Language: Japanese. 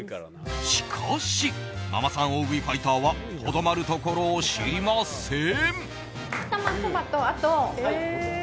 しかしママさん大食いファイターはとどまるところを知りません。